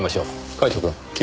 カイトくん君は？